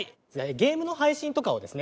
ゲームの配信とかをですね